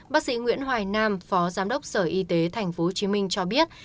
bác sĩ nguyễn hoài nam phó giám đốc sở y tế tp hcm cho biết